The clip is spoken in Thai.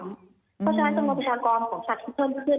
เพราะฉะนั้นจำนวนประชากรของสัตว์ที่เพิ่มขึ้น